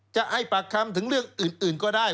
จะให้ปากคำถึงเรื่องอื่นก็ได้